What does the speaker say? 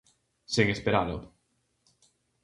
Sen esperalo.